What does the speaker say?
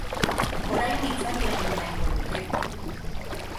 Orain itzali egin nahiko luke.